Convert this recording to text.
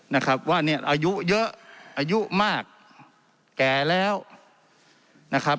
นะครับว่าเนี่ยอายุเยอะอายุมากแก่แล้วนะครับ